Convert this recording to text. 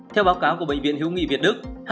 theo báo cáo của bệnh viện hiếu nghị việt đức